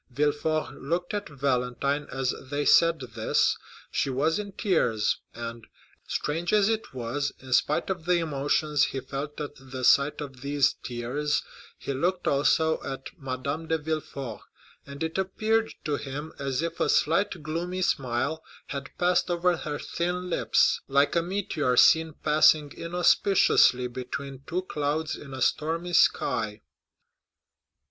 Villefort looked at Valentine as they said this. She was in tears, and, strange as it was, in spite of the emotions he felt at the sight of these tears, he looked also at Madame de Villefort, and it appeared to him as if a slight gloomy smile had passed over her thin lips, like a meteor seen passing inauspiciously between two clouds in a stormy sky.